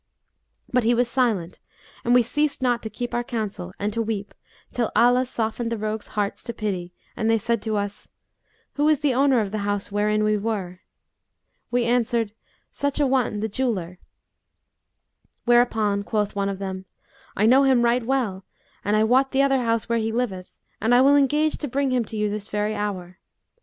But he was silent and we ceased not to keep our counsel and to weep, till Allah softened the rogues' hearts to pity and they said to us, 'Who is the owner of the house wherein we were?' We answered, 'Such an one, the jeweller; whereupon quoth one of them, 'I know him right well and I wot the other house where he liveth and I will engage to bring him to you this very hour.